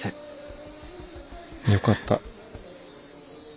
よかった。